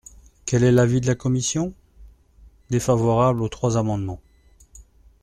Quel est l’avis de la commission ? Défavorable aux trois amendements.